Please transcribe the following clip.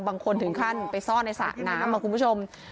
บางคนถึงขั้นไปซ่อนในสระน้ำขอบคุณผู้ชม